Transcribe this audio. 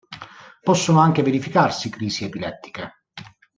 Possono anche verificarsi crisi epilettiche.